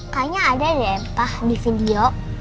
kayaknya ada deh pak di video